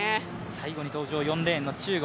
最後に登場、４レーンの中国。